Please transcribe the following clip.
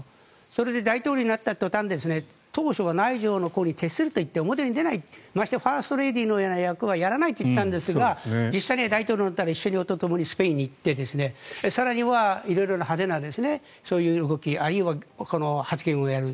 それで大統領になった途端当初は内助の功に徹すると言って表に出ないましてファーストレディーのような役をやらないといったんですが実際には大統領になったら飛行機に乗ってスペインに行って更には色々そういう動きあるいは発言をする。